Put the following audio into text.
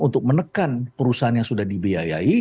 untuk menekan perusahaan yang sudah dibiayai